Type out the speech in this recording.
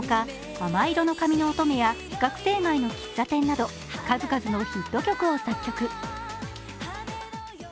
「亜麻色の髪の乙女」や「学生街の喫茶店」など数々のヒット曲を作曲。